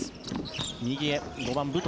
右へ、５番、武藤。